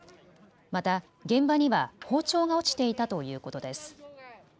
また、現場には包丁が落ちていたということです。